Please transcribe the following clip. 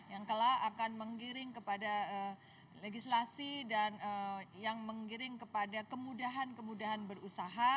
yang kelak akan menggiring kepada legislasi dan yang menggiring kepada kemudahan kemudahan berusaha